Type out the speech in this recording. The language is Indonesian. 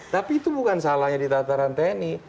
tapi itu bukan salahnya di tata ranteni